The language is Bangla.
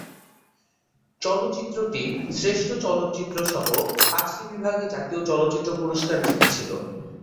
চলচ্চিত্রটি শ্রেষ্ঠ চলচ্চিত্রসহ পাঁচটি বিভাগে জাতীয় চলচ্চিত্র পুরস্কার জিতেছিল।